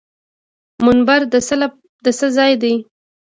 منبر د څه ځای دی؟